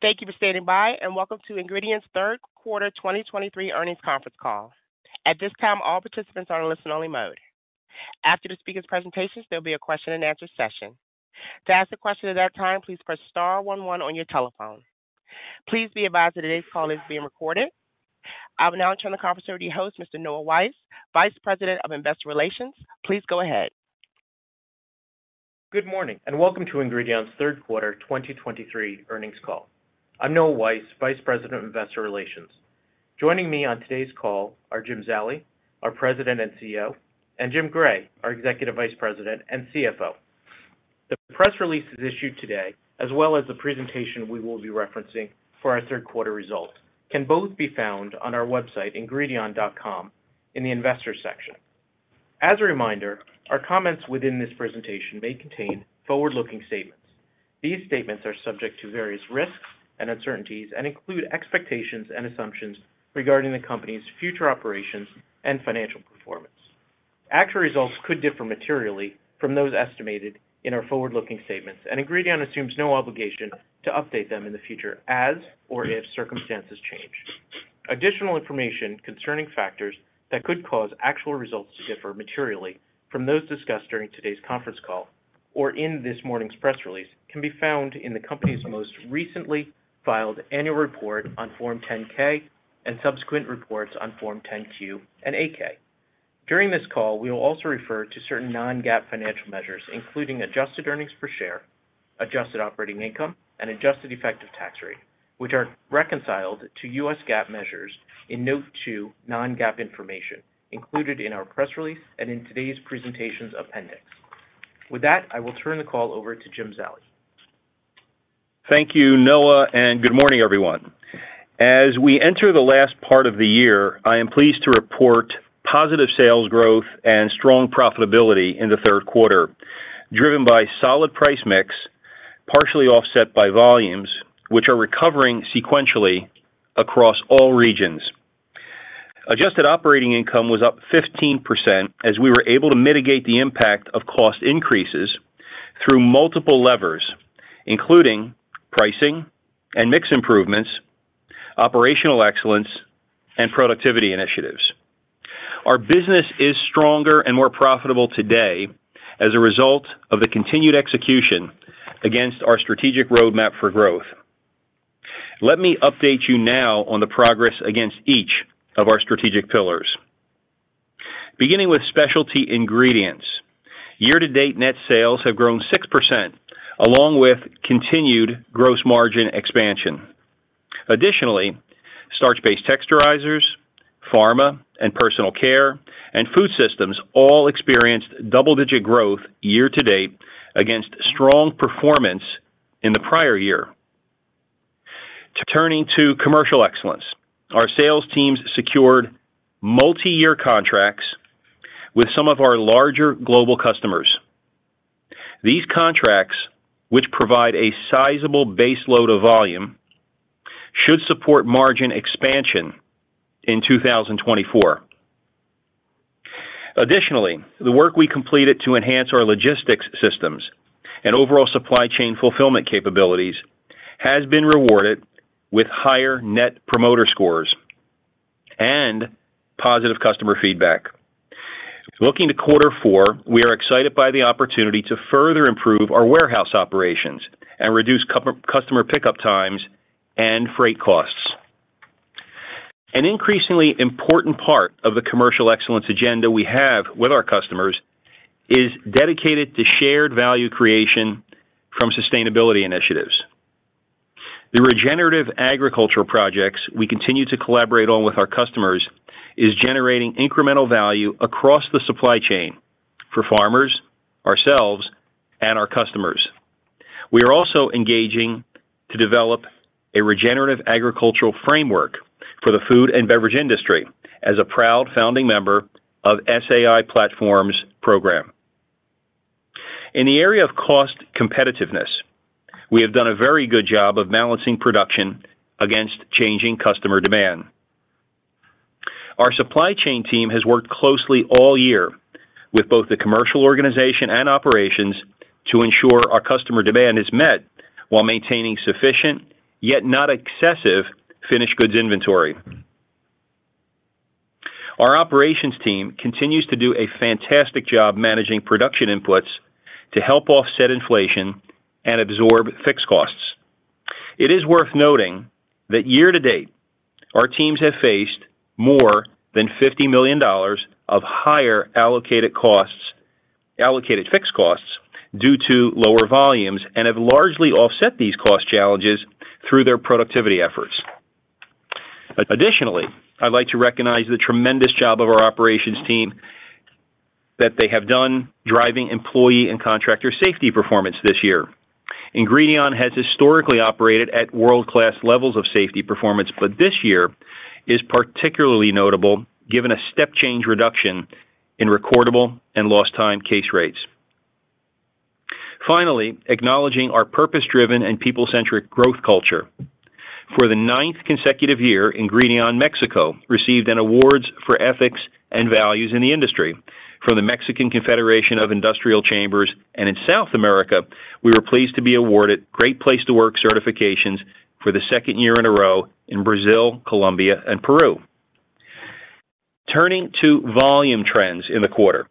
Thank you for standing by, and welcome to Ingredion's third quarter 2023 earnings conference call. At this time, all participants are in listen-only mode. After the speaker's presentations, there'll be a question-and-answer session. To ask a question at that time, please press star one one on your telephone. Please be advised that today's call is being recorded. I will now turn the conference over to your host, Mr. Noah Weiss, Vice President of Investor Relations. Please go ahead. Good morning, and welcome to Ingredion's third quarter 2023 earnings call. I'm Noah Weiss, Vice President of Investor Relations. Joining me on today's call are Jim Zallie, our President and CEO, and Jim Gray, our Executive Vice President and CFO. The press release is issued today, as well as the presentation we will be referencing for our third quarter results, can both be found on our website, ingredion.com, in the Investors section. As a reminder, our comments within this presentation may contain forward-looking statements. These statements are subject to various risks and uncertainties and include expectations and assumptions regarding the company's future operations and financial performance. Actual results could differ materially from those estimated in our forward-looking statements, and Ingredion assumes no obligation to update them in the future as or if circumstances change. Additional information concerning factors that could cause actual results to differ materially from those discussed during today's conference call or in this morning's press release can be found in the company's most recently filed annual report on Form 10-K and subsequent reports on Form 10-Q and 8-K. During this call, we will also refer to certain non-GAAP financial measures, including adjusted earnings per share, adjusted operating income, and adjusted effective tax rate, which are reconciled to U.S. GAAP measures in note 2 non-GAAP information included in our press release and in today's presentations appendix. With that, I will turn the call over to Jim Zallie. Thank you, Noah, and good morning, everyone. As we enter the last part of the year, I am pleased to report positive sales growth and strong profitability in the third quarter, driven by solid price mix, partially offset by volumes which are recovering sequentially across all regions. Adjusted operating income was up 15% as we were able to mitigate the impact of cost increases through multiple levers, including pricing and mix improvements, operational excellence, and productivity initiatives. Our business is stronger and more profitable today as a result of the continued execution against our strategic roadmap for growth. Let me update you now on the progress against each of our strategic pillars. Beginning with specialty ingredients, year-to-date net sales have grown 6%, along with continued gross margin expansion. Additionally, Starch-Based Texturizers, pharma and personal care, and Food Systems all experienced double-digit growth year to date against strong performance in the prior year. Turning to commercial excellence, our sales teams secured multiyear contracts with some of our larger global customers. These contracts, which provide a sizable base load of volume, should support margin expansion in 2024. Additionally, the work we completed to enhance our logistics systems and overall supply chain fulfillment capabilities has been rewarded with higher net promoter scores and positive customer feedback. Looking to quarter four, we are excited by the opportunity to further improve our warehouse operations and reduce customer pickup times and freight costs. An increasingly important part of the commercial excellence agenda we have with our customers is dedicated to shared value creation from sustainability initiatives. The regenerative agriculture projects we continue to collaborate on with our customers is generating incremental value across the supply chain for farmers, ourselves, and our customers. We are also engaging to develop a regenerative agriculture framework for the food and beverage industry as a proud founding member of SAI Platform's program. In the area of cost competitiveness, we have done a very good job of balancing production against changing customer demand. Our supply chain team has worked closely all year with both the commercial organization and operations to ensure our customer demand is met while maintaining sufficient, yet not excessive, finished goods inventory. Our operations team continues to do a fantastic job managing production inputs to help offset inflation and absorb fixed costs. It is worth noting that year to date, our teams have faced more than $50 million of higher allocated costs, allocated fixed costs due to lower volumes and have largely offset these cost challenges through their productivity efforts. Additionally, I'd like to recognize the tremendous job of our operations team that they have done driving employee and contractor safety performance this year. Ingredion has historically operated at world-class levels of safety performance, but this year is particularly notable given a step change reduction in recordable and lost time case rates. Finally, acknowledging our purpose-driven and people-centric growth culture. For the ninth consecutive year, Ingredion Mexico received an award for ethics and values in the industry from the Mexican Confederation of Industrial Chambers, and in South America, we were pleased to be awarded Great Place to Work certifications for the second year in a row in Brazil, Colombia, and Peru. Turning to volume trends in the quarter,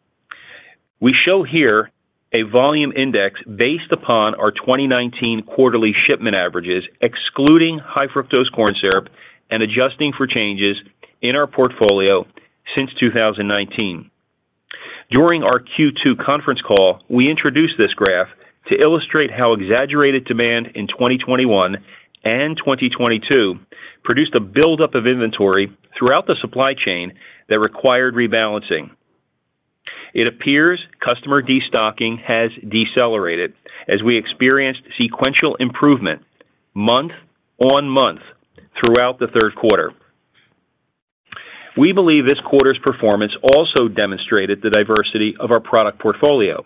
we show here a volume index based upon our 2019 quarterly shipment averages, excluding high fructose corn Syrup and adjusting for changes in our portfolio since 2019. During our Q2 conference call, we introduced this graph to illustrate how exaggerated demand in 2021 and 2022 produced a buildup of inventory throughout the supply chain that required rebalancing. It appears customer destocking has decelerated as we experienced sequential improvement month-on-month throughout the third quarter. We believe this quarter's performance also demonstrated the diversity of our product portfolio,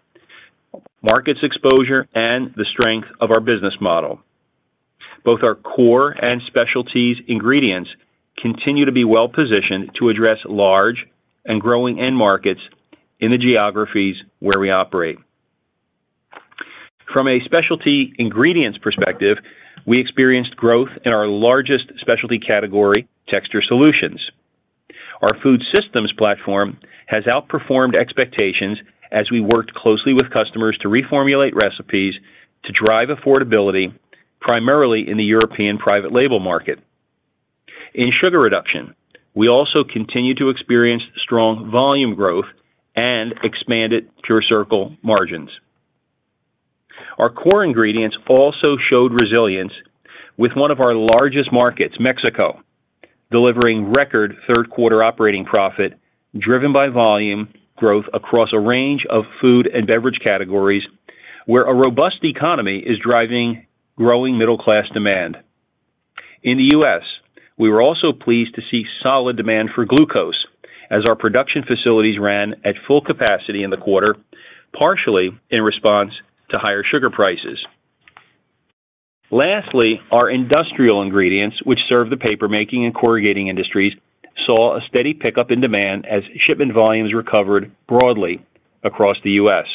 markets exposure, and the strength of our business model. Both our core and specialty ingredients continue to be well-positioned to address large and growing end markets in the geographies where we operate. From a specialty ingredients perspective, we experienced growth in our largest specialty category, Texture Solutions. Our food systems platform has outperformed expectations as we worked closely with customers to reformulate recipes to drive affordability, primarily in the European private label market. In sugar reduction, we also continue to experience strong volume growth and expanded PureCircle margins. Our core ingredients also showed resilience with one of our largest markets, Mexico, delivering record third quarter operating profit, driven by volume growth across a range of food and beverage categories, where a robust economy is driving growing middle-class demand. In the U.S., we were also pleased to see solid demand for glucose as our production facilities ran at full capacity in the quarter, partially in response to higher sugar prices. Lastly, our industrial ingredients, which serve the paper making and corrugating industries, saw a steady pickup in demand as shipment volumes recovered broadly across the U.S.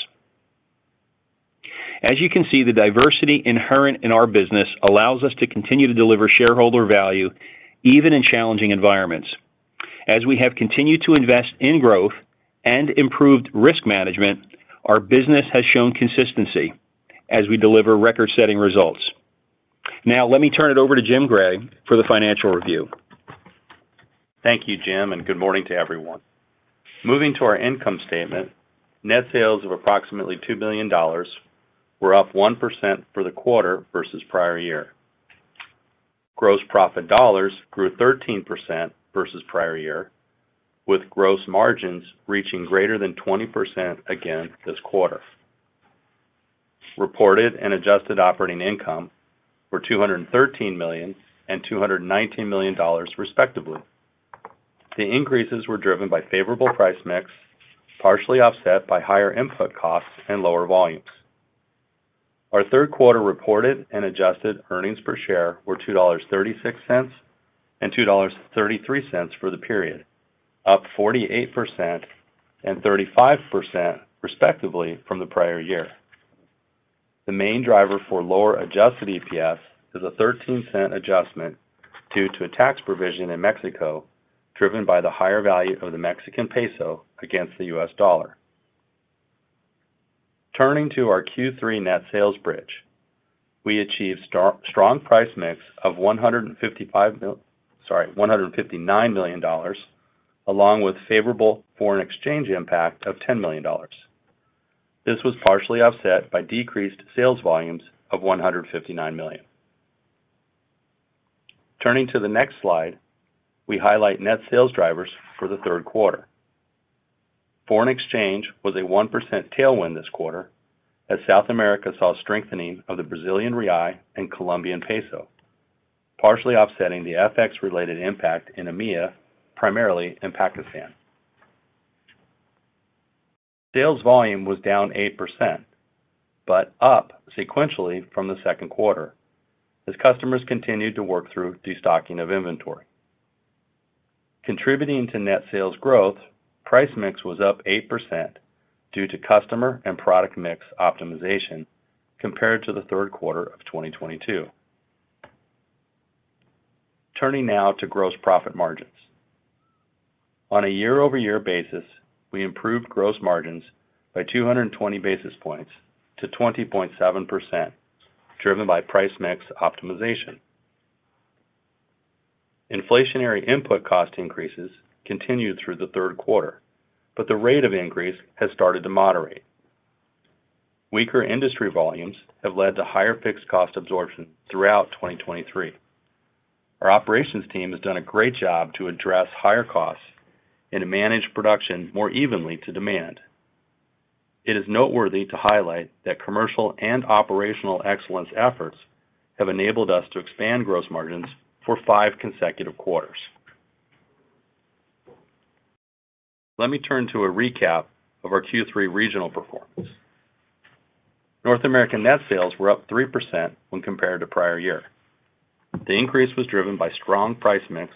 As you can see, the diversity inherent in our business allows us to continue to deliver shareholder value even in challenging environments. As we have continued to invest in growth and improved risk management, our business has shown consistency as we deliver record-setting results. Now, let me turn it over to Jim Gray for the financial review. Thank you, Jim, and good morning to everyone. Moving to our income statement. Net sales of approximately $2 billion were up 1% for the quarter versus prior year. Gross profit dollars grew 13% versus prior year, with gross margins reaching greater than 20% again this quarter. Reported and adjusted operating income were $213 million and $219 million, respectively. The increases were driven by favorable price mix, partially offset by higher input costs and lower volumes. Our third quarter reported and adjusted earnings per share were $2.36 and $2.33 for the period, up 48% and 35%, respectively, from the prior year. The main driver for lower adjusted EPS is a $0.13 adjustment due to a tax provision in Mexico, driven by the higher value of the MXN against the U.S. dollar. Turning to our Q3 net sales bridge, we achieved strong price mix of $159 million, along with favorable foreign exchange impact of $10 million. This was partially offset by decreased sales volumes of $159 million. Turning to the next slide, we highlight net sales drivers for the third quarter. Foreign exchange was a 1% tailwind this quarter, as South America saw a strengthening of the BRL and COP, partially offsetting the FX-related impact in EMEA, primarily in Pakistan. Sales volume was down 8%, but up sequentially from the second quarter as customers continued to work through destocking of inventory. Contributing to net sales growth, price mix was up 8% due to customer and product mix optimization compared to the third quarter of 2022. Turning now to gross profit margins. On a year-over-year basis, we improved gross margins by 200 basis points to 20.7%, driven by price mix optimization. Inflationary input cost increases continued through the third quarter, but the rate of increase has started to moderate. Weaker industry volumes have led to higher fixed cost absorption throughout 2023. Our operations team has done a great job to address higher costs and to manage production more evenly to demand. It is noteworthy to highlight that commercial and operational excellence efforts have enabled us to expand gross margins for five consecutive quarters. Let me turn to a recap of our Q3 regional performance. North America net sales were up 3% when compared to prior year. The increase was driven by strong price mix,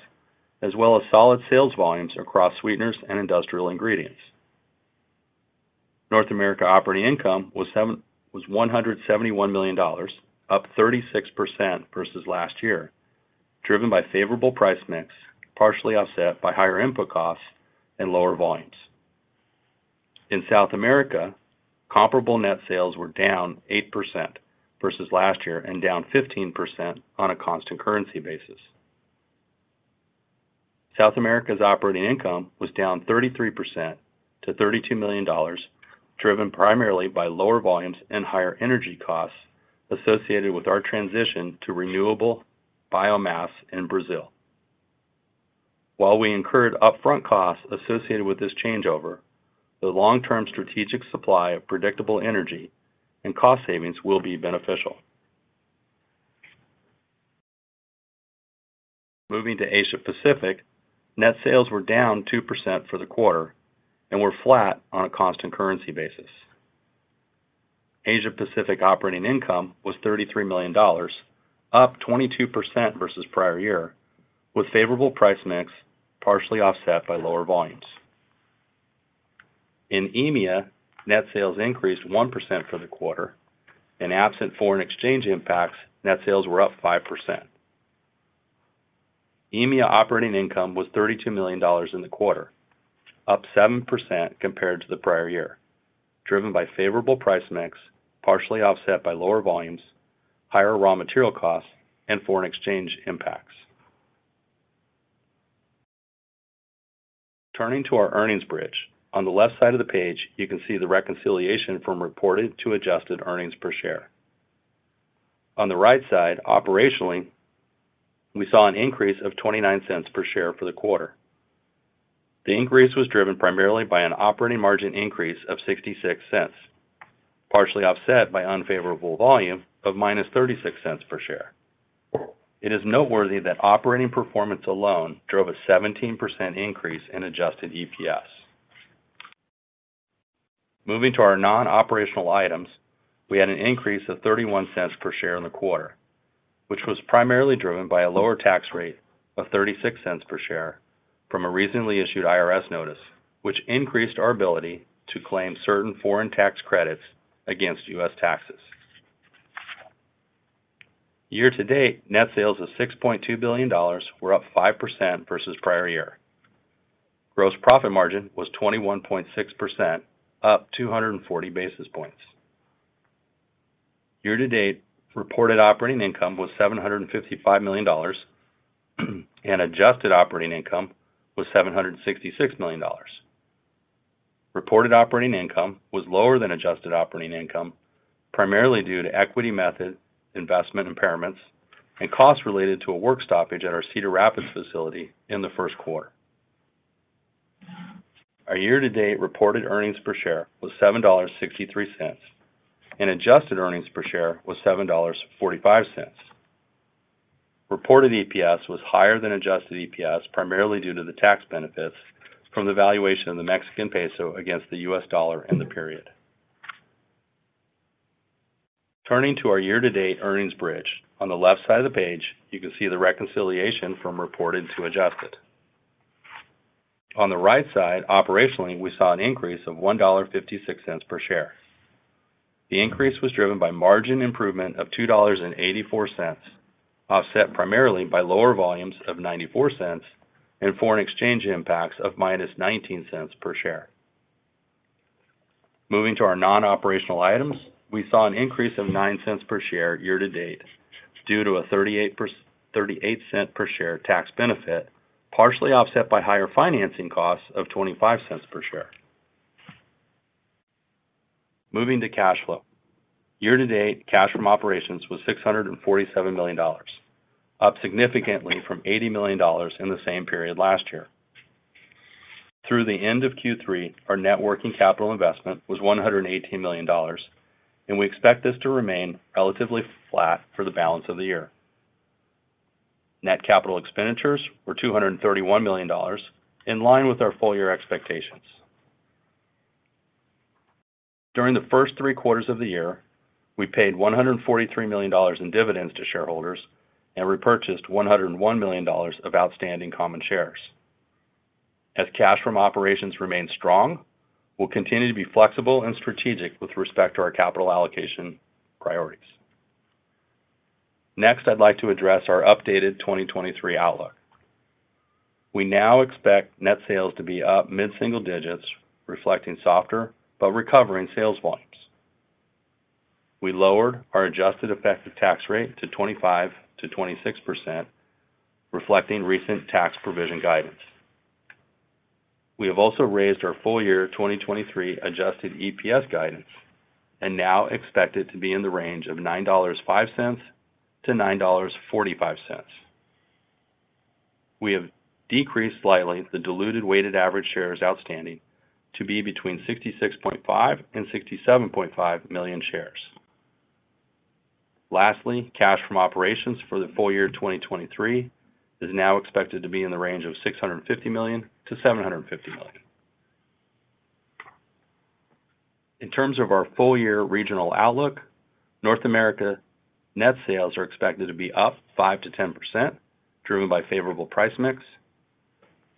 as well as solid sales volumes across sweeteners and industrial ingredients. North America operating income was $171 million, up 36% versus last year, driven by favorable price mix, partially offset by higher input costs and lower volumes. In South America, comparable net sales were down 8% versus last year and down 15% on a constant currency basis. South America operating income was down 33% to $32 million, driven primarily by lower volumes and higher energy costs associated with our transition to renewable biomass in Brazil. While we incurred upfront costs associated with this changeover, the long-term strategic supply of predictable energy and cost savings will be beneficial. Moving to Asia Pacific, net sales were down 2% for the quarter and were flat on a constant currency basis. Asia Pacific operating income was $33 million, up 22% versus prior year, with favorable price mix, partially offset by lower volumes. In EMEA, net sales increased 1% for the quarter, and absent foreign exchange impacts, net sales were up 5%. EMEA operating income was $32 million in the quarter, up 7% compared to the prior year, driven by favorable price mix, partially offset by lower volumes, higher raw material costs, and foreign exchange impacts. Turning to our earnings bridge. On the left side of the page, you can see the reconciliation from reported to adjusted earnings per share. On the right side, operationally, we saw an increase of $0.29 per share for the quarter. The increase was driven primarily by an operating margin increase of $0.66, partially offset by unfavorable volume of -$0.36 per share. It is noteworthy that operating performance alone drove a 17% increase in adjusted EPS. Moving to our non-operational items, we had an increase of $0.31 per share in the quarter, which was primarily driven by a lower tax rate of $0.36 per share from a recently issued IRS notice, which increased our ability to claim certain foreign tax credits against U.S. taxes. Year-to-date, net sales of $6.2 billion were up 5% versus prior year. Gross profit margin was 21.6%, up 240 basis points. Year-to-date, reported operating income was $755 million, and adjusted operating income was $766 million. Reported operating income was lower than adjusted operating income, primarily due to equity method, investment impairments, and costs related to a work stoppage at our Cedar Rapids facility in the first quarter. Our year-to-date reported earnings per share was $7.63, and adjusted earnings per share was $7.45. Reported EPS was higher than adjusted EPS, primarily due to the tax benefits from the valuation of the Mexican peso against the U.S. dollar in the period. Turning to our year-to-date earnings bridge. On the left side of the page, you can see the reconciliation from reported to adjusted. On the right side, operationally, we saw an increase of $1.56 per share. The increase was driven by margin improvement of $2.84, offset primarily by lower volumes of $0.94 and foreign exchange impacts of -$0.19 per share. Moving to our non-operational items, we saw an increase of $0.09 per share year-to-date, due to a $0.38 per share tax benefit, partially offset by higher financing costs of $0.25 per share. Moving to cash flow. Year-to-date, cash from operations was $647 million, up significantly from $80 million in the same period last year. Through the end of Q3, our net working capital investment was $118 million, and we expect this to remain relatively flat for the balance of the year. Net capital expenditures were $231 million, in line with our full-year expectations. During the first three quarters of the year, we paid $143 million in dividends to shareholders and repurchased $101 million of outstanding common shares. As cash from operations remains strong, we'll continue to be flexible and strategic with respect to our capital allocation priorities. Next, I'd like to address our updated 2023 outlook. We now expect net sales to be up mid-single digits, reflecting softer but recovering sales volumes. We lowered our adjusted effective tax rate to 25%-26%, reflecting recent tax provision guidance. We have also raised our full-year 2023 adjusted EPS guidance and now expect it to be in the range of $9.05-$9.45. We have decreased slightly the diluted weighted average shares outstanding to be between 66.5 million and 67.5 million shares. Lastly, cash from operations for the full year 2023 is now expected to be in the range of $650 million-$750 million. In terms of our full year regional outlook, North America net sales are expected to be up 5%-10%, driven by favorable price mix.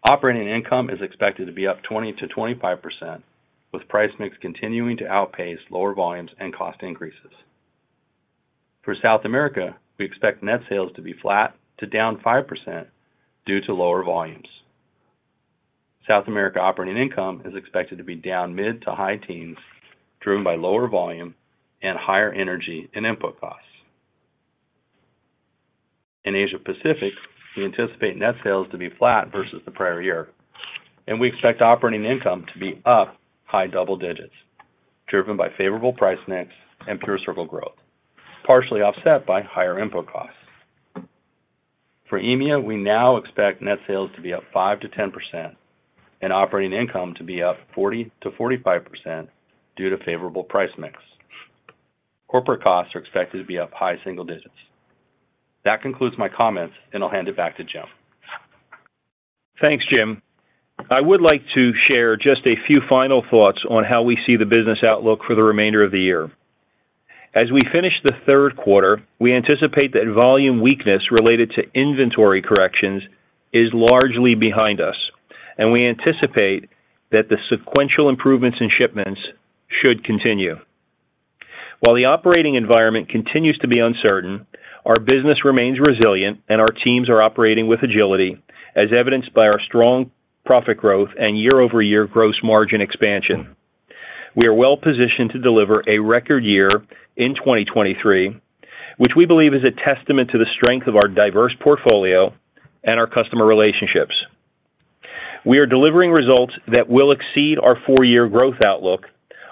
Operating income is expected to be up 20%-25%, with price mix continuing to outpace lower volumes and cost increases. For South America, we expect net sales to be flat to down 5% due to lower volumes. South America operating income is expected to be down mid to high teens, driven by lower volume and higher energy and input costs. In Asia Pacific, we anticipate net sales to be flat versus the prior year, and we expect operating income to be up high double digits, driven by favorable price mix and PureCircle growth, partially offset by higher input costs. For EMEA, we now expect net sales to be up 5%-10% and operating income to be up 40%-45% due to favorable price mix. Corporate costs are expected to be up high single digits. That concludes my comments, and I'll hand it back to Jim. Thanks, Jim. I would like to share just a few final thoughts on how we see the business outlook for the remainder of the year. As we finish the third quarter, we anticipate that volume weakness related to inventory corrections is largely behind us, and we anticipate that the sequential improvements in shipments should continue. While the operating environment continues to be uncertain, our business remains resilient and our teams are operating with agility, as evidenced by our strong profit growth and year-over-year gross margin expansion. We are well-positioned to deliver a record year in 2023, which we believe is a testament to the strength of our diverse portfolio and our customer relationships. We are delivering results that will exceed our four-year growth outlook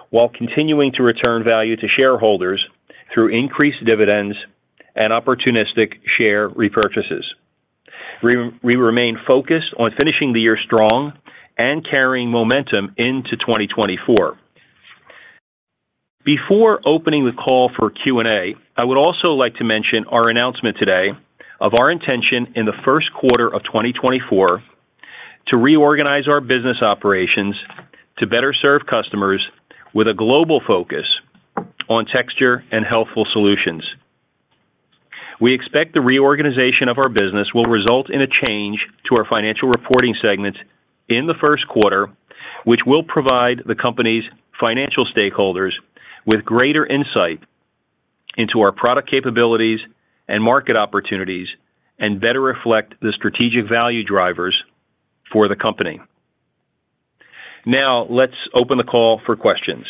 while continuing to return value to shareholders through increased dividends and opportunistic share repurchases. We remain focused on finishing the year strong and carrying momentum into 2024. Before opening the call for Q&A, I would also like to mention our announcement today of our intention in the first quarter of 2024 to reorganize our business operations to better serve customers with a global focus on texture and healthful solutions. We expect the reorganization of our business will result in a change to our financial reporting segments in the first quarter, which will provide the company's financial stakeholders with greater insight into our product capabilities and market opportunities and better reflect the strategic value drivers for the company. Now, let's open the call for questions.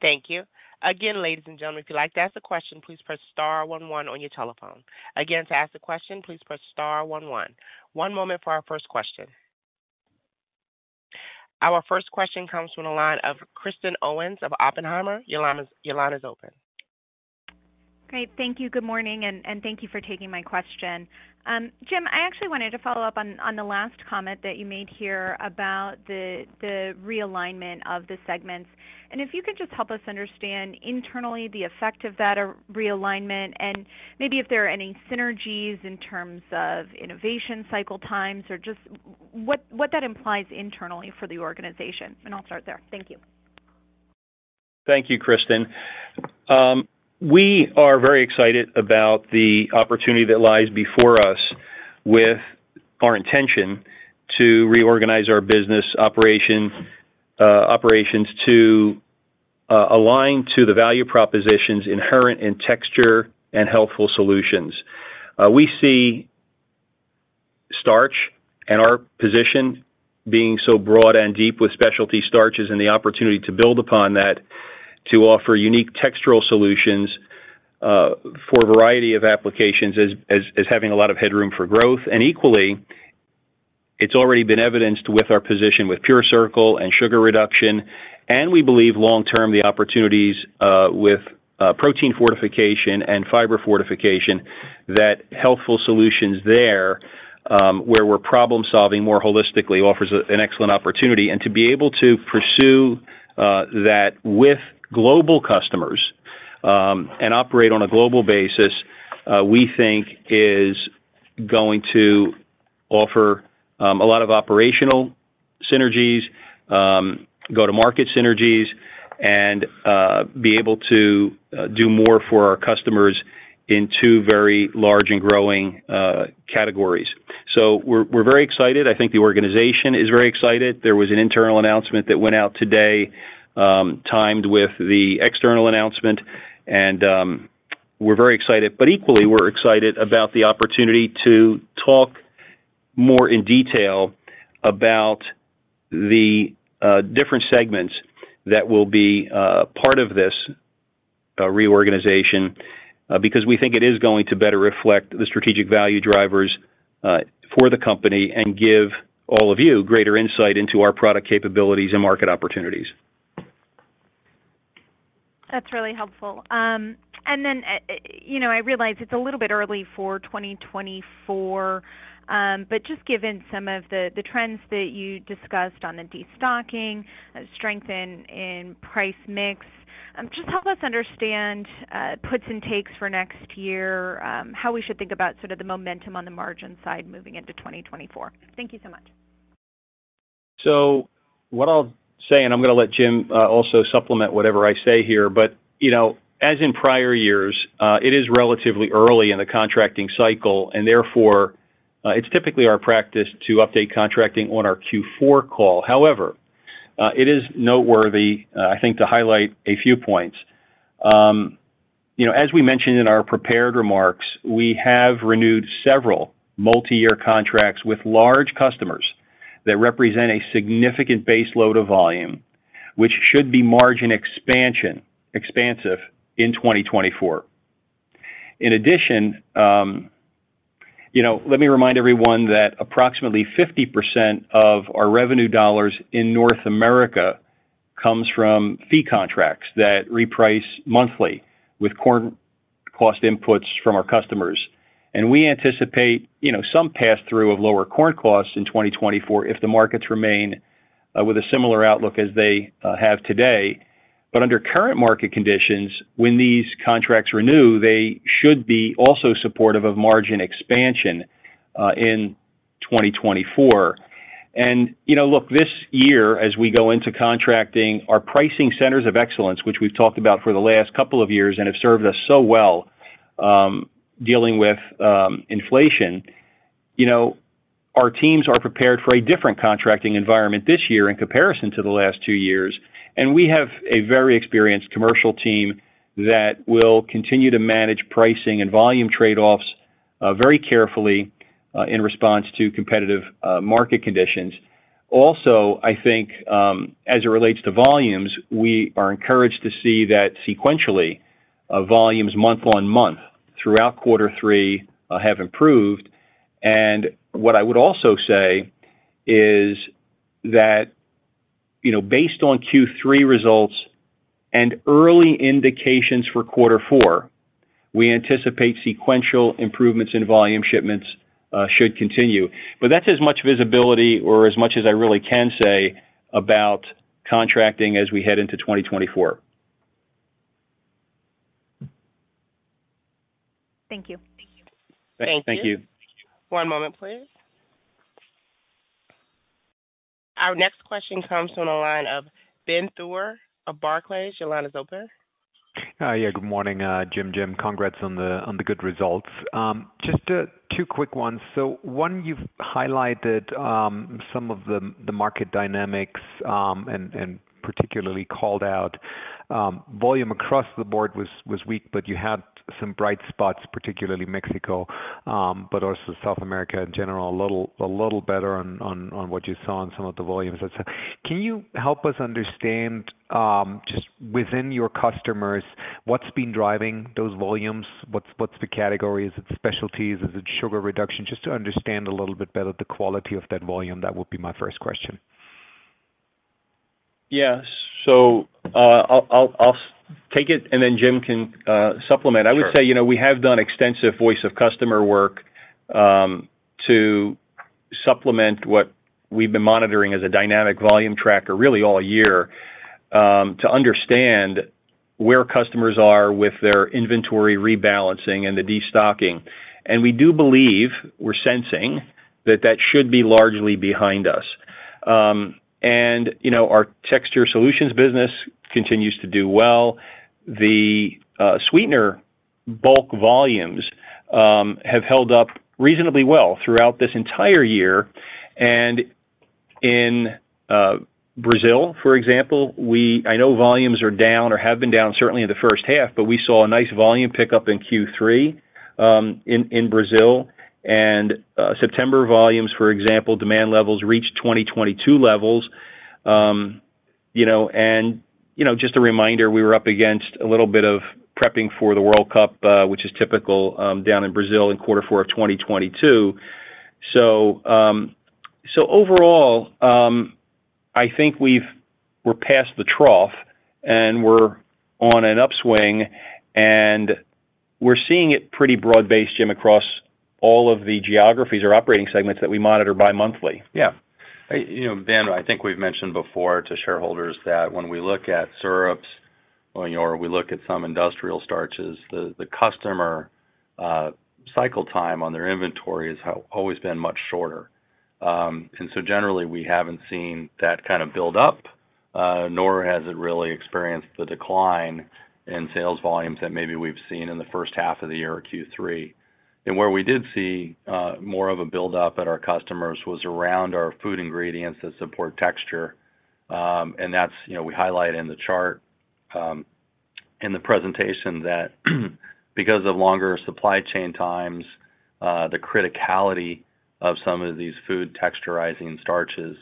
Thank you. Again, ladies and gentlemen, if you'd like to ask a question, please press star one one on your telephone. Again, to ask a question, please press star one one. One moment for our first question. Our first question comes from the line of Kristen Owen of Oppenheimer. Your line is, your line is open. Great. Thank you. Good morning, and thank you for taking my question. Jim, I actually wanted to follow up on the last comment that you made here about the realignment of the segments. And if you could just help us understand internally the effect of that realignment and maybe if there are any synergies in terms of innovation cycle times or just what that implies internally for the organization. And I'll start there. Thank you. Thank you, Kristen. We are very excited about the opportunity that lies before us with our intention to reorganize our business operations to align to the value propositions inherent in texture and healthful solutions. We see starch and our position being so broad and deep with specialty starches and the opportunity to build upon that, to offer unique textural solutions, for a variety of applications as having a lot of headroom for growth. And equally, it's already been evidenced with our position with PureCircle and sugar reduction, and we believe long-term, the opportunities, with protein fortification and fiber fortification, that healthful solutions there, where we're problem-solving more holistically, offers an excellent opportunity. To be able to pursue that with global customers and operate on a global basis, we think is going to offer a lot of operational synergies, go-to-market synergies, and be able to do more for our customers in two very large and growing categories. So we're very excited. I think the organization is very excited. There was an internal announcement that went out today, timed with the external announcement, and we're very excited. But equally, we're excited about the opportunity to talk more in detail about the different segments that will be part of this reorganization, because we think it is going to better reflect the strategic value drivers for the company and give all of you greater insight into our product capabilities and market opportunities. That's really helpful. And then, you know, I realize it's a little bit early for 2024, but just given some of the trends that you discussed on the destocking, strength in price mix. Just help us understand puts and takes for next year, how we should think about sort of the momentum on the margin side moving into 2024. Thank you so much. So what I'll say, and I'm gonna let Jim also supplement whatever I say here, but, you know, as in prior years, it is relatively early in the contracting cycle, and therefore, it's typically our practice to update contracting on our Q4 call. However, it is noteworthy, I think, to highlight a few points. You know, as we mentioned in our prepared remarks, we have renewed several multiyear contracts with large customers that represent a significant base load of volume, which should be margin expansive in 2024. In addition, you know, let me remind everyone that approximately 50% of our revenue dollars in North America comes from fee contracts that reprice monthly with corn cost inputs from our customers. We anticipate, you know, some pass-through of lower corn costs in 2024 if the markets remain with a similar outlook as they have today. But under current market conditions, when these contracts renew, they should be also supportive of margin expansion in 2024. And, you know, look, this year, as we go into contracting, our pricing centers of excellence, which we've talked about for the last couple of years and have served us so well, dealing with inflation, you know, our teams are prepared for a different contracting environment this year in comparison to the last two years. And we have a very experienced commercial team that will continue to manage pricing and volume trade-offs very carefully in response to competitive market conditions. Also, I think, as it relates to volumes, we are encouraged to see that sequentially, volumes month-on-month throughout quarter three, have improved. And what I would also say is that, you know, based on Q3 results and early indications for quarter four, we anticipate sequential improvements in volume shipments, should continue. But that's as much visibility or as much as I really can say about contracting as we head into 2024. Thank you. Thank you. Thank you. One moment, please. Our next question comes from the line of Ben Theurer of Barclays. Your line is open. Yeah, good morning, Jim, Jim, congrats on the good results. Just two quick ones. So one, you've highlighted some of the market dynamics and particularly called out volume across the board was weak, but you had some bright spots, particularly Mexico, but also South America in general, a little better on what you saw on some of the volumes. Can you help us understand just within your customers what's been driving those volumes? What's the category? Is it specialties? Is it sugar reduction? Just to understand a little bit better the quality of that volume, that would be my first question. Yeah. So, I'll take it, and then Jim can supplement. Sure. I would say, you know, we have done extensive voice of customer work to supplement what we've been monitoring as a dynamic volume tracker, really all year, to understand where customers are with their inventory rebalancing and the destocking. And we do believe we're sensing that that should be largely behind us. And, you know, our Texture Solutions business continues to do well. The sweetener bulk volumes have held up reasonably well throughout this entire year. And in Brazil, for example, we—I know volumes are down or have been down, certainly in the first half, but we saw a nice volume pickup in Q3, in Brazil. And September volumes, for example, demand levels reached 2022 levels. You know, and, you know, just a reminder, we were up against a little bit of prepping for the World Cup, which is typical, down in Brazil in quarter four of 2022. So, so overall, I think we're past the trough, and we're on an upswing, and we're seeing it pretty broad-based, Jim, across all of the geographies or operating segments that we monitor bi-monthly. Yeah. You know, Ben, I think we've mentioned before to shareholders that when we look at syrups or, you know, we look at some industrial starches, the customer cycle time on their inventory has always been much shorter. And so generally, we haven't seen that kind of buildup, nor has it really experienced the decline in sales volumes that maybe we've seen in the first half of the year or Q3. And where we did see more of a buildup at our customers was around our food ingredients that support texture. And that's, you know, we highlight in the chart in the presentation that, because of longer supply chain times, the criticality of some of these food texturizing starches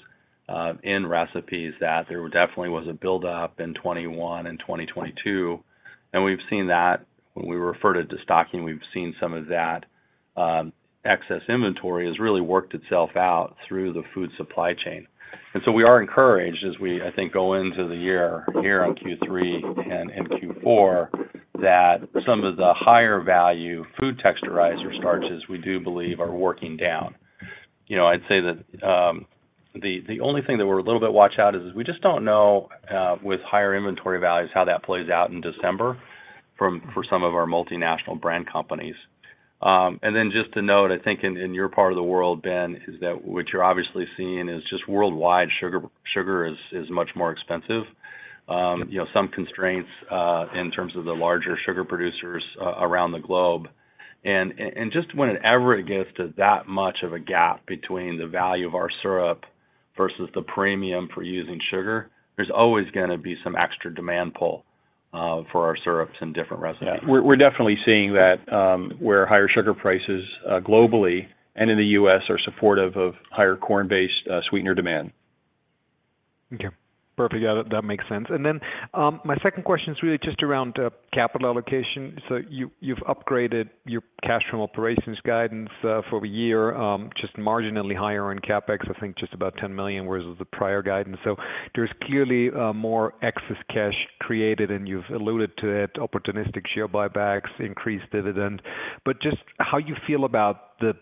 in recipes, that there definitely was a buildup in 2021 and 2022, and we've seen that. When we refer to destocking, we've seen some of that, excess inventory has really worked itself out through the food supply chain. So we are encouraged as we, I think, go into the year here on Q3 and in Q4, that some of the higher value food texturizer starches, we do believe are working down. You know, I'd say that, the only thing that we're a little bit watched out is we just don't know, with higher inventory values, how that plays out in December for some of our multinational brand companies. Then just to note, I think in your part of the world, Ben, is that what you're obviously seeing is just worldwide, sugar is much more expensive. You know, some constraints, in terms of the larger sugar producers around the globe. And just when it ever gets to that much of a gap between the value of our syrup versus the premium for using sugar, there's always gonna be some extra demand pull for our syrups in different recipes. Yeah, we're definitely seeing that, where higher sugar prices globally and in the U.S. are supportive of higher corn-based sweetener demand. Okay, perfect. Yeah, that, that makes sense. And then, my second question is really just around capital allocation. So you've upgraded your cash from operations guidance for the year, just marginally higher on CapEx, I think just about $10 million, whereas the prior guidance. So there's clearly more excess cash created, and you've alluded to it, opportunistic share buybacks, increased dividend. But just how you feel about the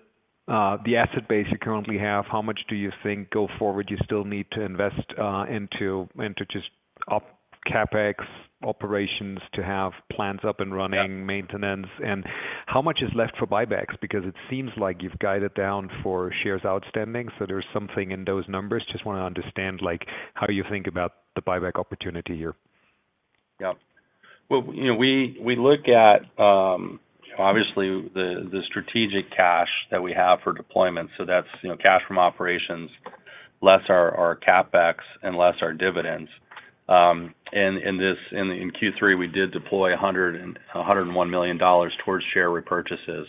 the asset base you currently have, how much do you think go forward you still need to invest into into just OpEx CapEx operations to have plants up and running, maintenance? And how much is left for buybacks? Because it seems like you've guided down for shares outstanding, so there's something in those numbers. Just wanna understand, like, how you think about the buyback opportunity here. Yeah. Well, you know, we look at obviously the strategic cash that we have for deployment. So that's, you know, cash from operations, less our CapEx and less our dividends. And in Q3, we did deploy $101 million towards share repurchases.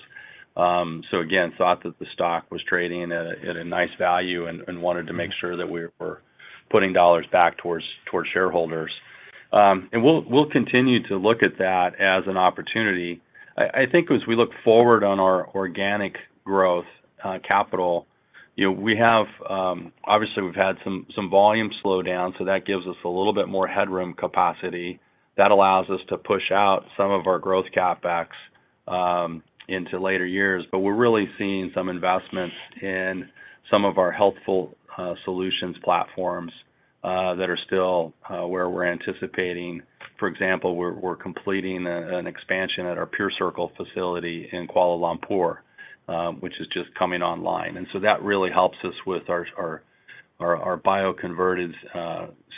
So again, thought that the stock was trading at a nice value and wanted to make sure that we were putting dollars back towards shareholders. And we'll continue to look at that as an opportunity. I think as we look forward on our organic growth capital, you know, we have obviously we've had some volume slowdown, so that gives us a little bit more headroom capacity. That allows us to push out some of our growth CapEx into later years. But we're really seeing some investments in some of our healthful solutions platforms that are still where we're anticipating. For example, we're completing an expansion at our PureCircle facility in Kuala Lumpur, which is just coming online. And so that really helps us with our bioconverted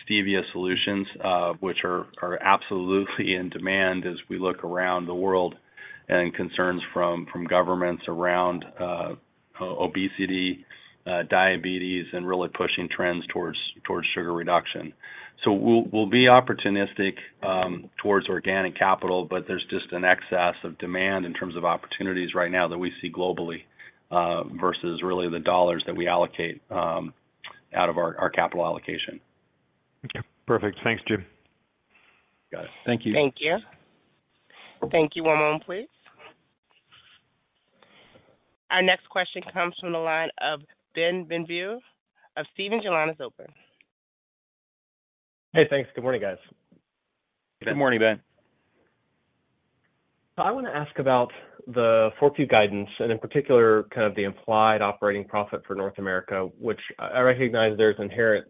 stevia solutions, which are absolutely in demand as we look around the world, and concerns from governments around obesity, diabetes, and really pushing trends towards sugar reduction. So we'll be opportunistic towards organic capital, but there's just an excess of demand in terms of opportunities right now that we see globally versus really the dollars that we allocate out of our capital allocation. Okay, perfect. Thanks, Jim. Got it. Thank you. Thank you. Thank you. One moment, please. Our next question comes from the line of Ben Bienvenu of Stephens. Hey, thanks. Good morning, guys. Good morning, Ben. I wanna ask about the 4Q guidance, and in particular, kind of the implied operating profit for North America, which I recognize there's inherent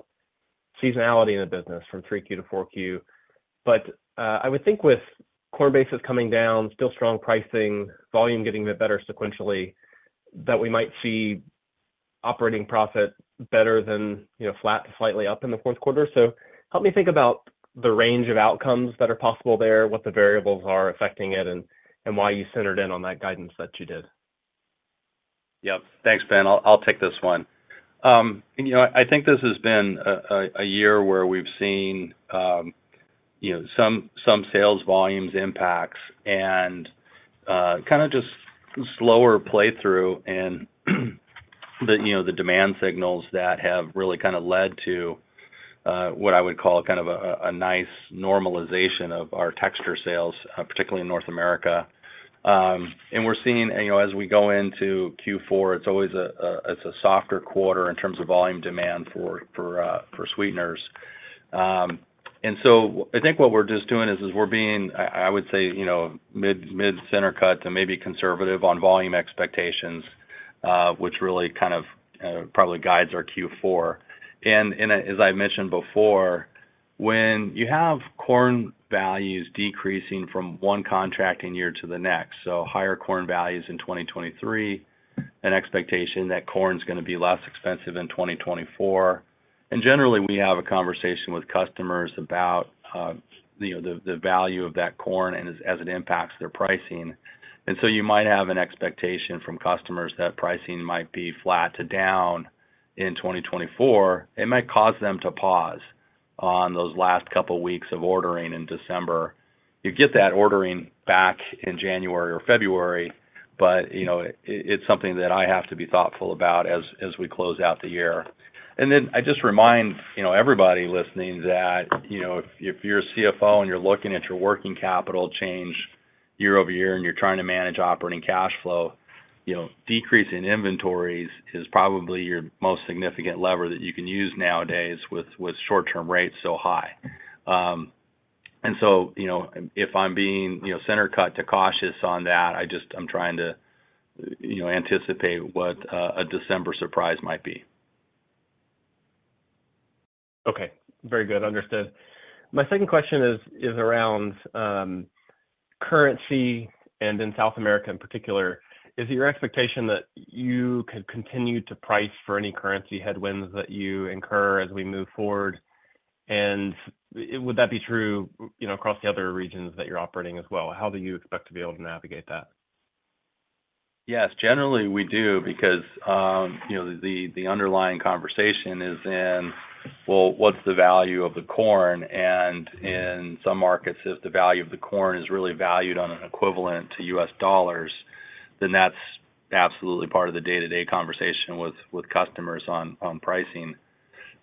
seasonality in the business from 3Q to 4Q. But, I would think with corn bases coming down, still strong pricing, volume getting a bit better sequentially, that we might see operating profit better than, you know, flat to slightly up in the fourth quarter. So help me think about the range of outcomes that are possible there, what the variables are affecting it, and why you centered in on that guidance that you did. Yep. Thanks, Ben. I'll take this one. You know, I think this has been a year where we've seen you know, some sales volumes impacts and kinda just slower play through and, then, you know, the demand signals that have really kinda led to what I would call kind of a nice normalization of our texture sales, particularly in North America. And we're seeing, and, you know, as we go into Q4, it's always a—it's a softer quarter in terms of volume demand for sweeteners. And so I think what we're just doing is we're being, I would say, you know, mid center cut to maybe conservative on volume expectations, which really kind of probably guides our Q4. And as I mentioned before, when you have corn values decreasing from one contracting year to the next, so higher corn values in 2023, an expectation that corn is gonna be less expensive in 2024. And generally, we have a conversation with customers about, you know, the value of that corn and as it impacts their pricing. And so you might have an expectation from customers that pricing might be flat to down in 2024. It might cause them to pause on those last couple of weeks of ordering in December. You get that ordering back in January or February, but, you know, it's something that I have to be thoughtful about as we close out the year. Then I just remind you know everybody listening that you know if you're a CFO and you're looking at your working capital change year-over-year and you're trying to manage operating cash flow you know decreasing inventories is probably your most significant lever that you can use nowadays with short-term rates so high. So you know if I'm being you know center cut to cautious on that I just I'm trying to you know anticipate what a December surprise might be. Okay, very good. Understood. My second question is around currency and in South America in particular. Is it your expectation that you could continue to price for any currency headwinds that you incur as we move forward? And would that be true, you know, across the other regions that you're operating as well? How do you expect to be able to navigate that? Yes, generally we do, because, you know, the underlying conversation is in, well, what's the value of the corn? And in some markets, if the value of the corn is really valued on an equivalent to U.S. dollars, then that's absolutely part of the day-to-day conversation with customers on pricing.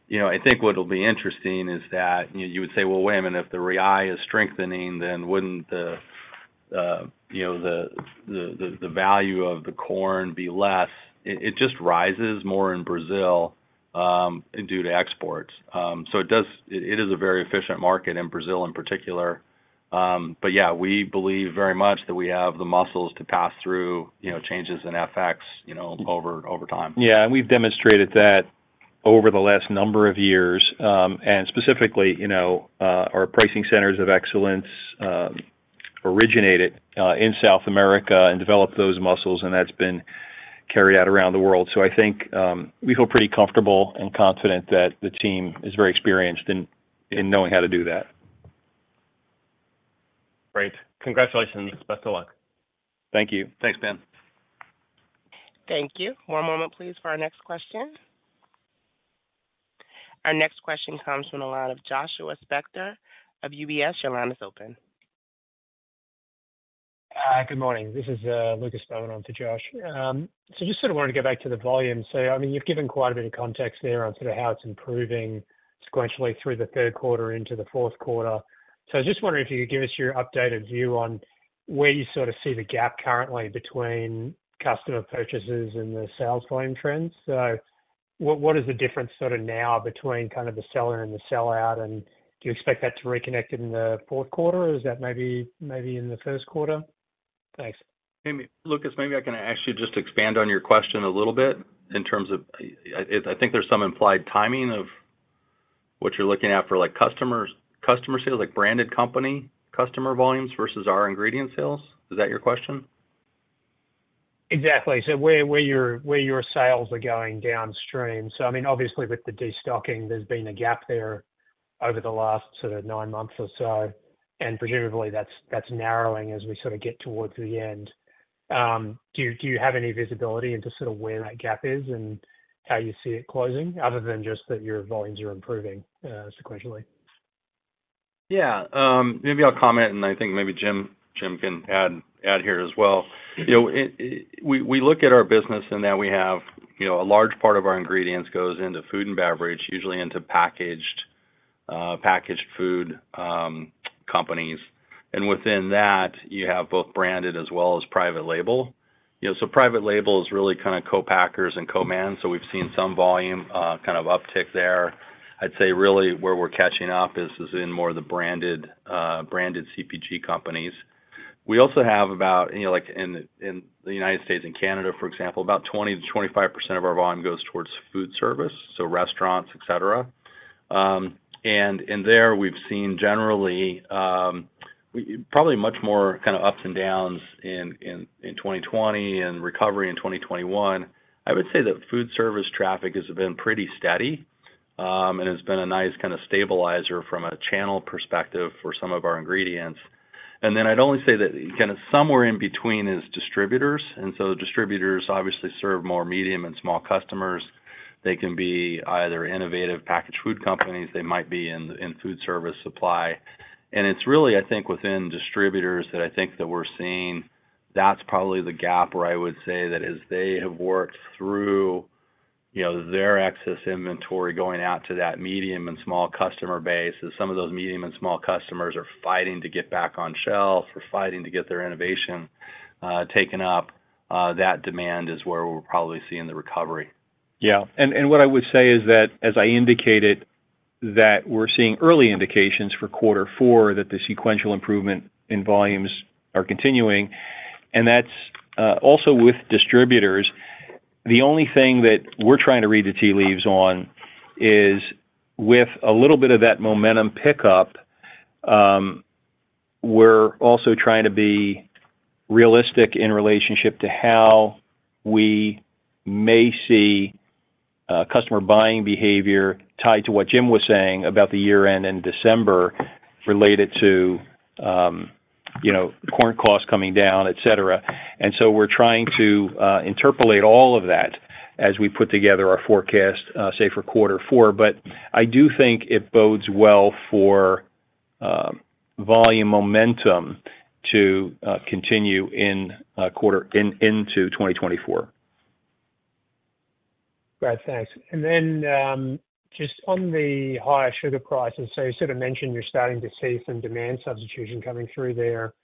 You know, I think what will be interesting is that, you know, you would say, "Well, wait a minute, if the real is strengthening, then wouldn't the, you know, the value of the corn be less?" It just rises more in Brazil, due to exports. So it does. It is a very efficient market in Brazil in particular. But yeah, we believe very much that we have the muscles to pass through, you know, changes in FX, you know, over time. Yeah, and we've demonstrated that over the last number of years. And specifically, you know, our pricing centers of excellence originated in South America and developed those muscles, and that's been carried out around the world. So I think we feel pretty comfortable and confident that the team is very experienced in knowing how to do that. Great. Congratulations. Best of luck. Thank you. Thanks, Ben. Thank you. One moment, please, for our next question. Our next question comes from the line of Joshua Spector of UBS. Your line is open. Good morning. This is, Lucas Beaumont on for Josh. So just sort of wanted to go back to the volume. So, I mean, you've given quite a bit of context there on sort of how it's improving sequentially through the third quarter into the fourth quarter. So I was just wondering if you could give us your updated view on where you sort of see the gap currently between customer purchases and the sales volume trends. So what, what is the difference sort of now between kind of the seller and the sell-out, and do you expect that to reconnect in the fourth quarter, or is that maybe, maybe in the first quarter? Thanks. Maybe, Lucas, maybe I can ask you just to expand on your question a little bit in terms of, I think there's some implied timing of what you're looking at for, like, customers, customer sales, like branded company customer volumes versus our ingredient sales. Is that your question? Exactly. So where your sales are going downstream. So I mean, obviously with the destocking, there's been a gap there over the last sort of nine months or so, and presumably, that's narrowing as we sort of get towards the end. Do you have any visibility into sort of where that gap is and how you see it closing, other than just that your volumes are improving sequentially? Yeah, maybe I'll comment, and I think maybe Jim can add here as well. You know, we look at our business in that we have, you know, a large part of our ingredients goes into food and beverage, usually into packaged food companies. And within that, you have both branded as well as private label. You know, so private label is really kind of co-packers and co-mans, so we've seen some volume kind of uptick there. I'd say really where we're catching up is in more of the branded CPG companies. We also have about, you know, like in the United States and Canada, for example, about 20%-25% of our volume goes towards food service, so restaurants, et cetera. And in there, we've seen generally, probably much more kind of ups and downs in 2020 and recovery in 2021. I would say that food service traffic has been pretty steady, and has been a nice kind of stabilizer from a channel perspective for some of our ingredients. And then I'd only say that kinda somewhere in between is distributors. And so distributors obviously serve more medium and small customers. They can be either innovative packaged food companies; they might be in food service supply. It's really, I think, within distributors that I think that we're seeing that's probably the gap where I would say that as they have worked through, you know, their excess inventory going out to that medium and small customer base, and some of those medium and small customers are fighting to get back on shelf or fighting to get their innovation taken up, that demand is where we're probably seeing the recovery. Yeah. And what I would say is that, as I indicated, that we're seeing early indications for quarter four, that the sequential improvement in volumes are continuing, and that's also with distributors. The only thing that we're trying to read the tea leaves on is, with a little bit of that momentum pickup, we're also trying to be realistic in relationship to how we may see customer buying behavior tied to what Jim was saying about the year-end in December, related to, you know, corn costs coming down, et cetera. And so we're trying to interpolate all of that as we put together our forecast, say, for quarter four. But I do think it bodes well for volume momentum to continue into 2024. Great, thanks. And then, just on the higher sugar prices, so you sort of mentioned you're starting to see some demand substitution coming through there.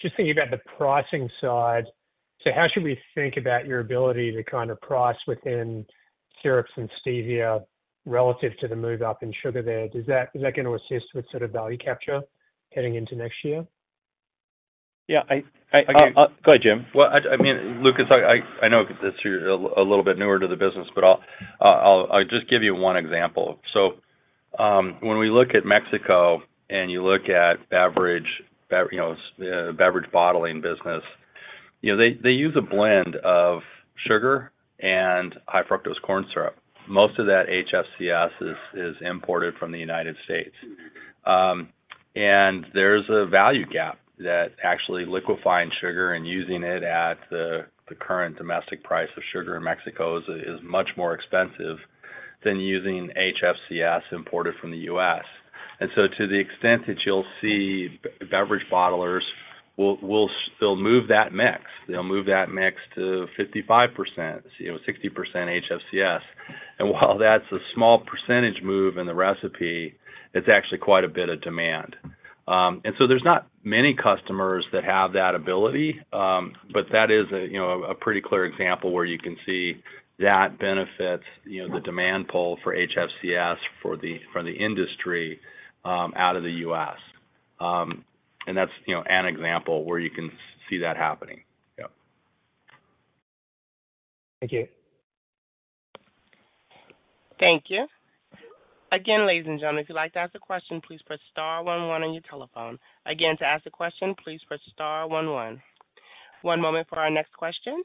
Just thinking about the pricing side. So how should we think about your ability to kind of price within syrups and stevia relative to the move-up in sugar there? Is that, is that going to assist with sort of value capture heading into next year? Yeah, I- Go ahead, Jim. Well, I mean, Lucas, I know that you're a little bit newer to the business, but I'll just give you one example. So, when we look at Mexico, and you look at beverage, you know, beverage bottling business, you know, they use a blend of sugar and high fructose corn syrup. Most of that HFCS is imported from the United States. And there's a value gap that actually liquefying sugar and using it at the current domestic price of sugar in Mexico is much more expensive than using HFCS imported from the U.S. And so to the extent that you'll see beverage bottlers will, they'll move that mix. They'll move that mix to 55%, you know, 60% HFCS. And while that's a small percentage move in the recipe, it's actually quite a bit of demand. And so there's not many customers that have that ability, but that is a, you know, a pretty clear example where you can see that benefits, you know, the demand pull for HFCS for the, for the industry, out of the U.S. And that's, you know, an example where you can see that happening. Yep. Thank you. Thank you. Again, ladies and gentlemen, if you'd like to ask a question, please press star one one on your telephone. Again, to ask a question, please press star one one. One moment for our next question.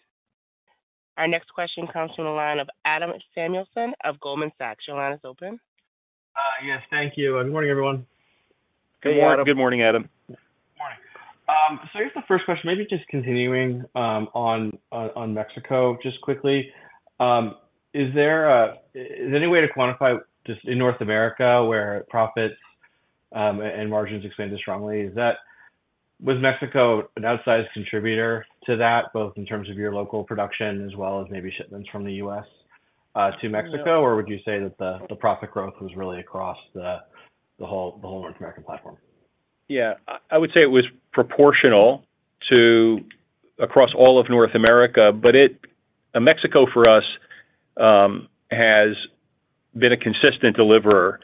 Our next question comes from the line of Adam Samuelson of Goldman Sachs. Your line is open. Yes, thank you. Good morning, everyone. Good morning. Good morning, Adam. Morning. So I guess the first question, maybe just continuing on Mexico, just quickly. Is there any way to quantify just in North America, where profits and margins expanded strongly? Was Mexico an outsized contributor to that, both in terms of your local production as well as maybe shipments from the U.S. to Mexico? Or would you say that the profit growth was really across the whole North American platform? Yeah, I would say it was proportional to across all of North America, but it. And Mexico, for us, has been a consistent deliverer.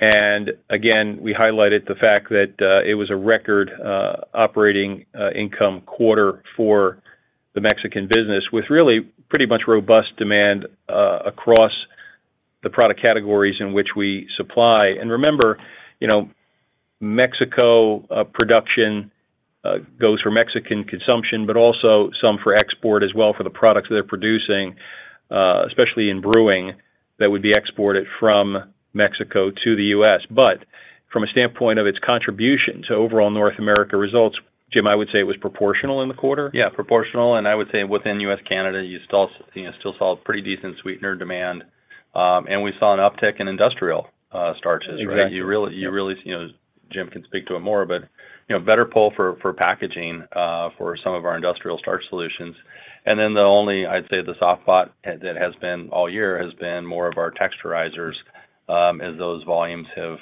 And again, we highlighted the fact that it was a record operating income quarter for the Mexican business, with really pretty much robust demand across the product categories in which we supply. And remember, you know, Mexico production goes for Mexican consumption, but also some for export as well for the products they're producing, especially in brewing, that would be exported from Mexico to the U.S. But from a standpoint of its contribution to overall North America results, Jim, I would say it was proportional in the quarter? Yeah, proportional, and I would say within U.S., Canada, you still, you know, still saw pretty decent sweetener demand, and we saw an uptick in industrial starches, right? Exactly. You really, you really, you know, Jim can speak to it more, but, you know, better pull for, for packaging, for some of our industrial starch solutions. And then the only, I'd say, the soft spot that has been all year has been more of our texturizers, as those volumes have,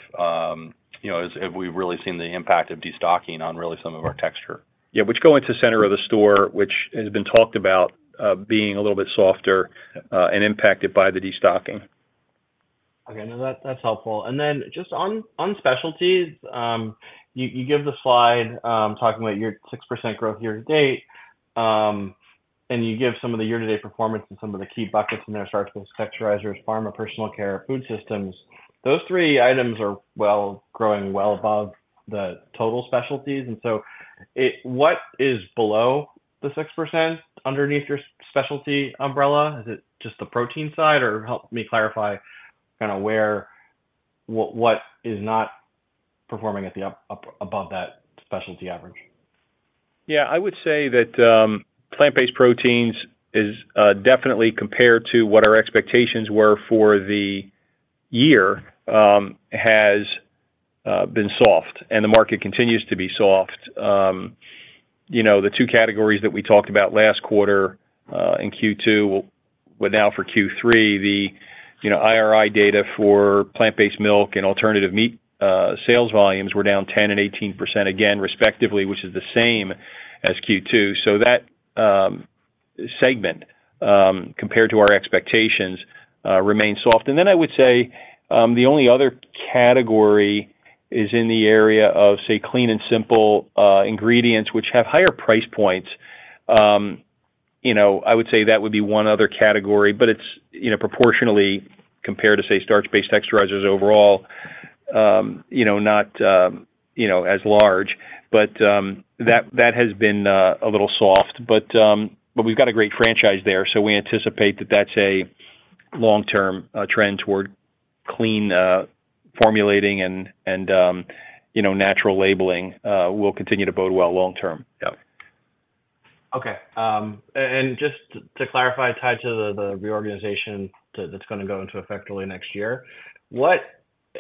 you know, as, as we've really seen the impact of destocking on really some of our texture. Yeah, which go into center of the store, which has been talked about, being a little bit softer, and impacted by the destocking. Okay, no, that, that's helpful. And then just on specialties, you give the slide talking about your 6% growth year to date, and you give some of the year-to-date performance in some of the key buckets in there, starches, texturizers, pharma, personal care, food systems. Those three items are well, growing well above the total specialties. And so, what is below the 6% underneath your specialty umbrella? Is it just the protein side, or help me clarify kind of where, what is not performing above that specialty average? Yeah, I would say that plant-based proteins is definitely compared to what our expectations were for the year, has been soft, and the market continues to be soft. You know, the two categories that we talked about last quarter in Q2, well, now for Q3, the you know, IRI data for plant-based milk and alternative meat, sales volumes were down 10% and 18% again, respectively, which is the same as Q2. So that segment compared to our expectations remains soft. And then I would say the only other category is in the area of, say, clean and simple ingredients, which have higher price points. You know, I would say that would be one other category, but it's you know, proportionally compared to, say, starch-based texturizers overall, you know, not as large. But that has been a little soft. But but we've got a great franchise there, so we anticipate that that's a long-term trend toward clean formulating and you know natural labeling will continue to bode well long term. Yep. Okay, and just to clarify, tied to the reorganization that's gonna go into effect early next year, what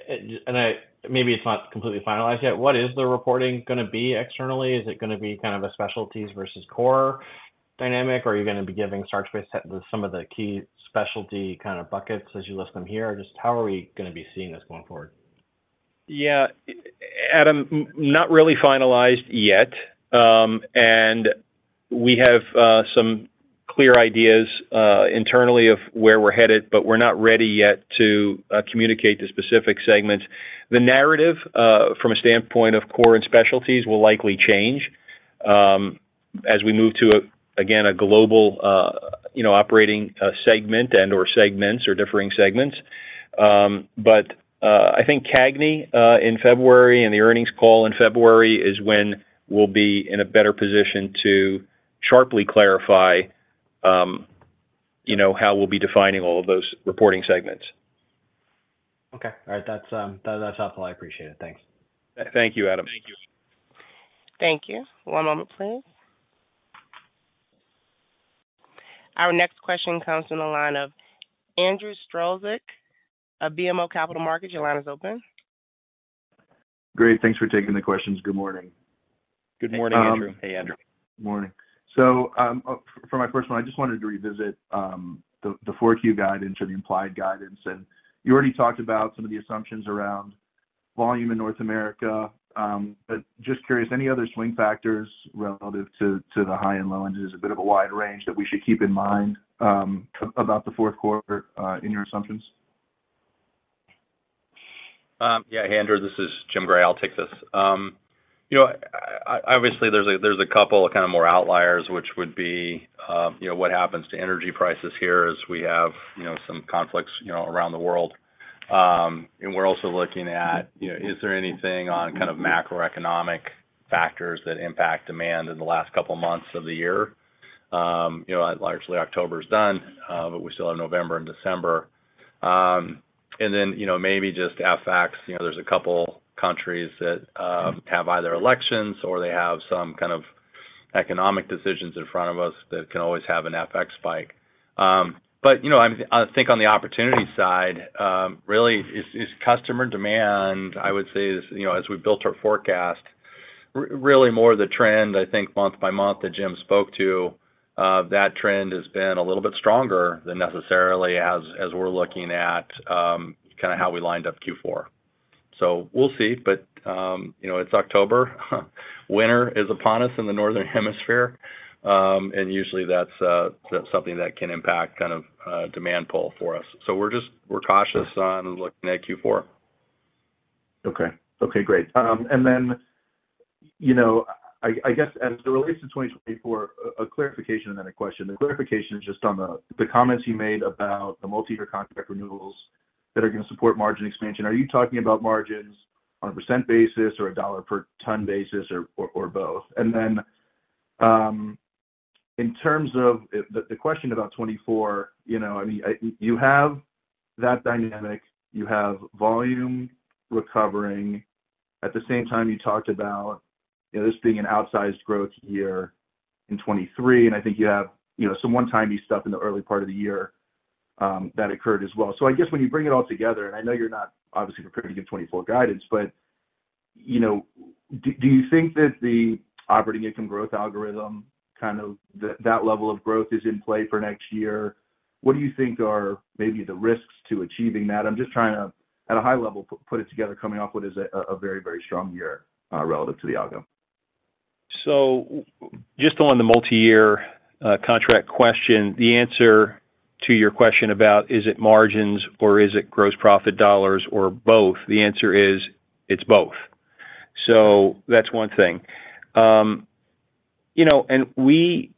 and maybe it's not completely finalized yet. What is the reporting gonna be externally? Is it gonna be kind of a specialties versus core dynamic, or are you gonna be giving starch-based some of the key specialty kind of buckets as you list them here? Just how are we gonna be seeing this going forward? Yeah, Adam, not really finalized yet. And we have some clear ideas internally of where we're headed, but we're not ready yet to communicate the specific segments. The narrative from a standpoint of core and specialties will likely change as we move to, again, a global, you know, operating segment and or segments or differing segments. But I think CAGNY in February and the earnings call in February is when we'll be in a better position to sharply clarify, you know, how we'll be defining all of those reporting segments. Okay. All right. That's, that's helpful. I appreciate it. Thanks. Thank you, Adam. Thank you. Thank you. One moment, please. Our next question comes from the line of Andrew Strelzik of BMO Capital Markets. Your line is open. Great, thanks for taking the questions. Good morning. Good morning, Andrew. Hey, Andrew. Morning. For my first one, I just wanted to revisit the 4Q guidance or the implied guidance. You already talked about some of the assumptions around volume in North America. But just curious, any other swing factors relative to the high and low end? There's a bit of a wide range that we should keep in mind about the fourth quarter in your assumptions. Yeah. Hey, Andrew, this is Jim Gray. I'll take this. You know, obviously, there's a couple of kind of more outliers, which would be, you know, what happens to energy prices here as we have, you know, some conflicts, you know, around the world. And we're also looking at, you know, is there anything on kind of macroeconomic factors that impact demand in the last couple of months of the year? You know, largely October is done, but we still have November and December. And then, you know, maybe just FX, you know, there's a couple countries that have either elections or they have some kind of economic decisions in front of us that can always have an FX spike. But, you know, I think on the opportunity side, really is customer demand, I would say is, you know, as we built our forecast, really more the trend, I think, month by month, that Jim spoke to, that trend has been a little bit stronger than necessarily as we're looking at, kind of how we lined up Q4. So we'll see. But, you know, it's October, winter is upon us in the northern hemisphere, and usually that's, that's something that can impact kind of, demand pull for us. So we're just we're cautious on looking at Q4. Okay. Okay, great. And then, you know, I guess as it relates to 2024, a clarification and then a question. The clarification is just on the comments you made about the multiyear contract renewals that are going to support margin expansion. Are you talking about margins on a percent basis or a dollar per ton basis or both? And then, in terms of the question about 2024, you know, I mean, you have that dynamic, you have volume recovering. At the same time, you talked about, you know, this being an outsized growth year in 2023, and I think you have, you know, some one-timey stuff in the early part of the year that occurred as well. So I guess when you bring it all together, and I know you're not obviously prepared to give 2024 guidance, but, you know, do you think that the operating income growth algorithm, kind of that, that level of growth is in play for next year? What do you think are maybe the risks to achieving that? I'm just trying to, at a high level, put it together, coming off what is a, a very, very strong year, relative to the outcome. So just on the multiyear contract question, the answer to your question about, is it margins or is it gross profit dollars or both? The answer is, it's both. So that's one thing. You know, and we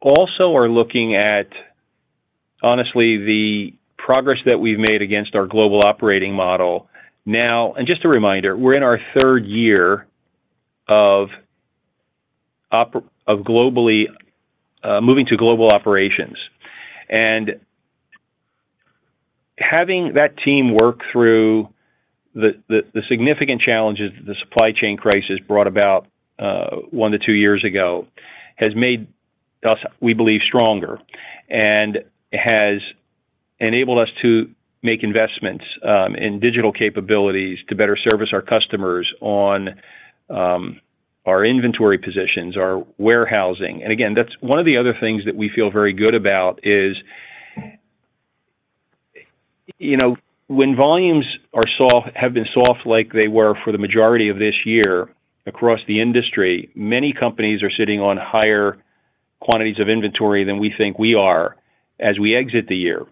also are looking at, honestly, the progress that we've made against our global operating model now. Just a reminder, we're in our third year of globally moving to global operations. And having that team work through the significant challenges that the supply chain crisis brought about 1-2 years ago has made us, we believe, stronger and has enabled us to make investments in digital capabilities to better service our customers on our inventory positions, our warehousing. And again, that's one of the other things that we feel very good about is, you know, when volumes have been soft like they were for the majority of this year across the industry, many companies are sitting on higher quantities of inventory than we think we are as we exit the year.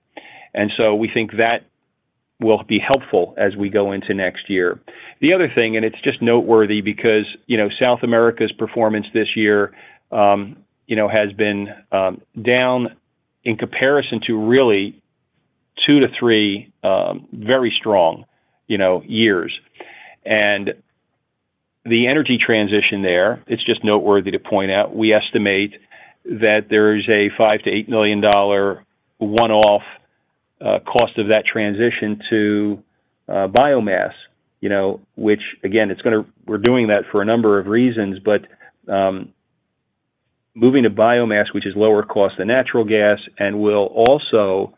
And so we think that will be helpful as we go into next year. The other thing, and it's just noteworthy because, you know, South America's performance this year, you know, has been down in comparison to really two-to-three very strong, you know, years. The energy transition there, it's just noteworthy to point out, we estimate that there is a $5 million-$8 million one-off cost of that transition to biomass, you know, which, again, we're doing that for a number of reasons, but moving to biomass, which is lower cost than natural gas, and will also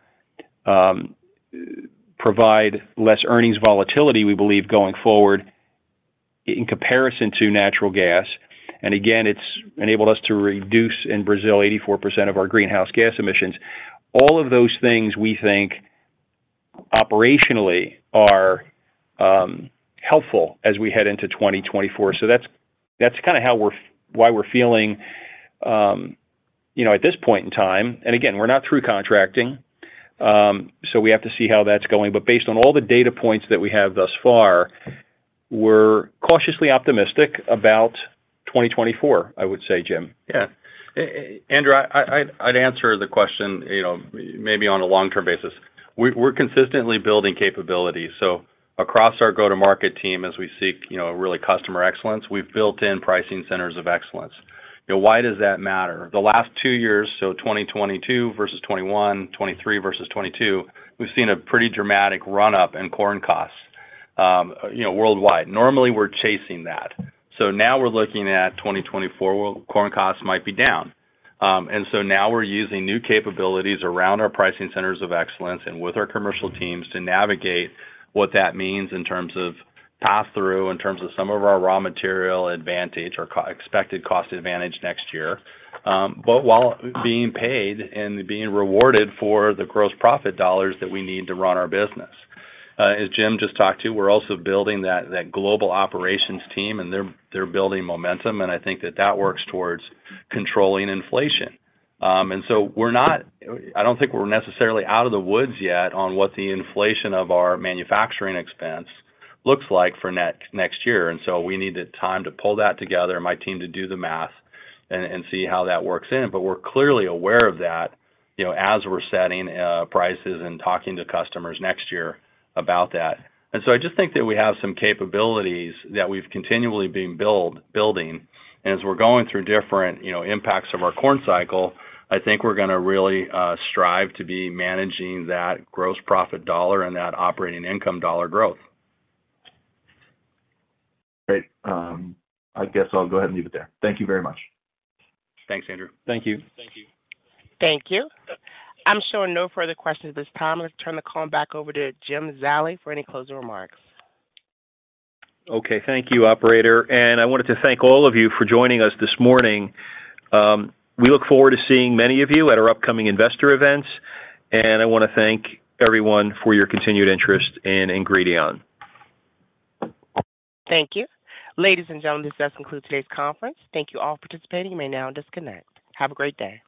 provide less earnings volatility, we believe, going forward in comparison to natural gas, and again, it's enabled us to reduce in Brazil 84% of our greenhouse gas emissions. All of those things, we think, operationally, are helpful as we head into 2024. So that's kind of why we're feeling, you know, at this point in time, and again, we're not through contracting, so we have to see how that's going. Based on all the data points that we have thus far, we're cautiously optimistic about 2024, I would say, Jim. Yeah. Andrew, I'd answer the question, you know, maybe on a long-term basis. We're consistently building capabilities. So across our go-to-market team, as we seek, you know, really customer excellence, we've built in pricing centers of excellence. You know, why does that matter? The last two years, so 2022 versus 2021, 2023 versus 2022, we've seen a pretty dramatic run-up in corn costs, you know, worldwide. Normally, we're chasing that. So now we're looking at 2024, corn costs might be down. And so now we're using new capabilities around our pricing centers of excellence and with our commercial teams to navigate what that means in terms of pass-through, in terms of some of our raw material advantage or expected cost advantage next year, but while being paid and being rewarded for the gross profit dollars that we need to run our business. As Jim just talked to, we're also building that global operations team, and they're building momentum, and I think that works towards controlling inflation. And so we're not. I don't think we're necessarily out of the woods yet on what the inflation of our manufacturing expense looks like for next year. And so we need the time to pull that together, my team to do the math and see how that works in. But we're clearly aware of that, you know, as we're setting prices and talking to customers next year about that. And so I just think that we have some capabilities that we've continually been building, and as we're going through different, you know, impacts of our corn cycle, I think we're gonna really strive to be managing that gross profit dollar and that operating income dollar growth. Great. I guess I'll go ahead and leave it there. Thank you very much. Thanks, Andrew. Thank you. Thank you. Thank you. I'm showing no further questions at this time. Let's turn the call back over to Jim Zallie for any closing remarks. Okay, thank you, operator. I wanted to thank all of you for joining us this morning. We look forward to seeing many of you at our upcoming investor events, and I wanna thank everyone for your continued interest in Ingredion. Thank you. Ladies and gentlemen, this does conclude today's conference. Thank you all for participating. You may now disconnect. Have a great day.